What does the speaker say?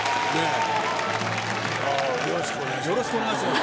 よろしくお願いします。